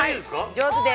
◆上手です。